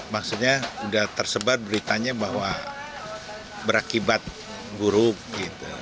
maksudnya sudah tersebar beritanya bahwa berakibat guruk